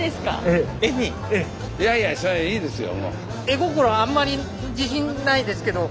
絵心あんまり自信ないですけど。